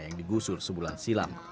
yang digusur sebulan silam